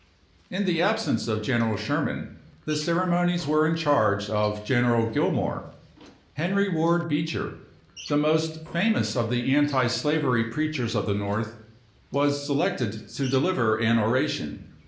In the absence of General Sherman the ceremonies were in charge of General Gillmore. Henry Ward Beecher, the most famous of the antislavery preachers of the North, was selected to deliver an oration.